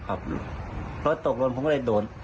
ครับรถตกลงผมก็เลยโดด